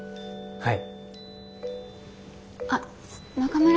はい。